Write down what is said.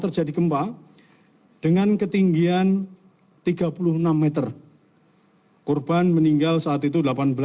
terjadi gempa dengan ketinggian tiga puluh enam m hai korban meninggal saat itu satu ratus delapan puluh dua ribu enam ratus